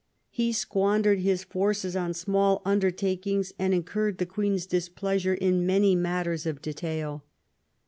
He squandered his forces on small undertakings, and incurred the Queen's displeasure in many matters of detail.